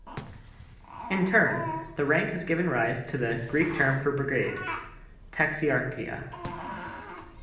In turn, the rank has given rise to the Greek term for brigade, "taxiarchia".